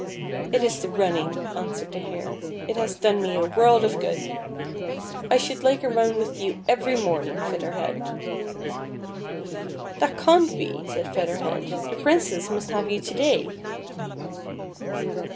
" It is the running," answered the Hare ;" it has done me a world of good. I should like a run with you every morning, Feather Head." "That can't be," said Feather Head; "the Princess nmst have you to day."